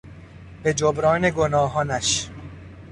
به جبران گناهانش